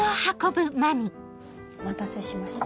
お待たせしました。